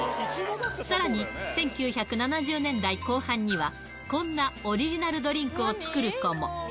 さらに、１９７０年代後半には、こんなオリジナルドリンクを作る子も。